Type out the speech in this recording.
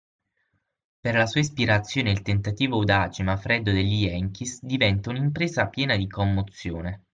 Per la sua ispirazione il tentativo audace ma freddo degli yankees diventa un'impresa piena di commozione.